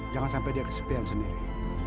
jangan sampai dia kesepian sendiri